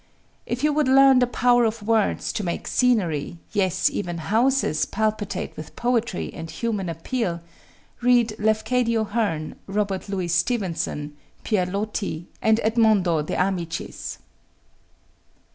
If you would learn the power of words to make scenery, yes, even houses, palpitate with poetry and human appeal, read Lafcadio Hearn, Robert Louis Stevenson, Pierre Loti, and Edmondo De Amicis.